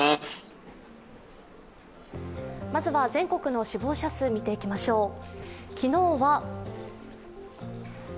まずは全国の死亡者数を見ていきましょう。